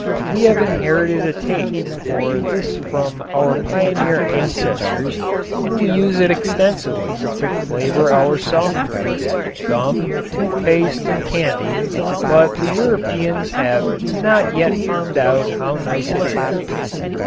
We have inherited a taste for this from our pioneer ancestors and we use it extensively to flavor our soft drinks, gum, tooth paste and candy, but the Europeans have not yet found out how nice it is.